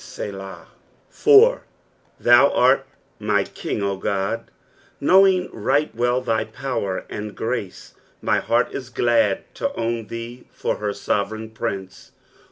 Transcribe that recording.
Selah. 4, "Than art my King, O Ood." Knowing right well thy power and ^rscs my heart is glad to own thee for her sovereign prince.